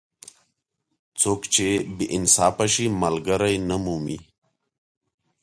څوک چې بې انصافه شي؛ ملګری نه مومي.